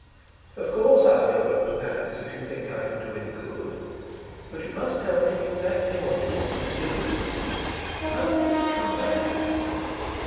"Of course I'll go over to Paris if you think I can do any good, but you must tell me exactly what you want me to do." "I want him to come back."